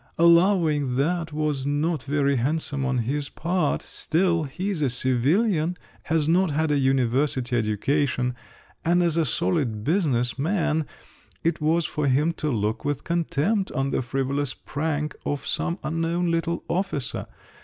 Allowing that was not very handsome on his part, still, he's a civilian, has not had a university education, and as a solid business man, it was for him to look with contempt on the frivolous prank of some unknown little officer.